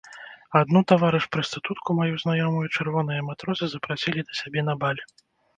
Адну таварыш прастытутку, маю знаёмую, чырвоныя матросы запрасілі да сябе на баль.